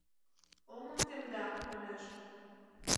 — Оҥым темда, манеш.